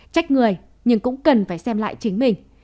trách người nhưng cũng cần phải xem lại chính mình